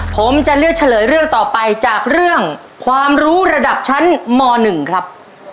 ผมจะเลือกเฉลยเรื่องต่อไปจากเรื่องความรู้ระดับชั้นม๑ครับ